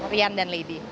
rian dan lady